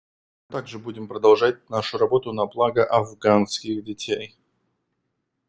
Мы также будем продолжать нашу работу на благо афганских детей.